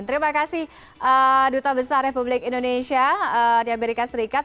terima kasih duta besar republik indonesia di amerika serikat